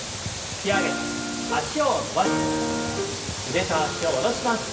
腕と脚を下ろします。